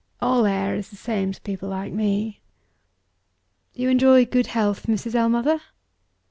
All air is the same to people like me." "You enjoy good health, Mrs. Ellmother?"